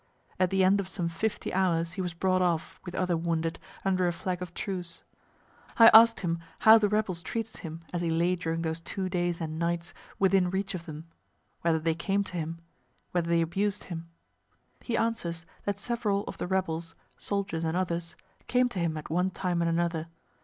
At the end of some fifty hours he was brought off, with other wounded, under a flag of truce. I ask him how the rebels treated him as he lay during those two days and nights within reach of them whether they came to him whether they abused him? He answers that several of the rebels, soldiers and others, came to him at one time and another.